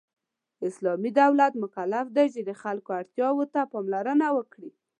اسلامی دولت مکلف دی چې د خلکو اړتیاوو ته پاملرنه وکړي .